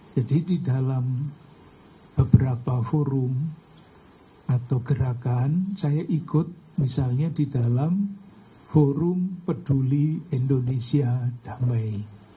jadi di dalam beberapa forum atau gerakan saya ikut misalnya di dalam forum peduli indonesia damai